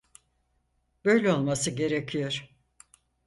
Böyle olması gerekiyor.